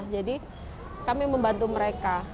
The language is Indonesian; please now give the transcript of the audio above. jadi kami membantu mereka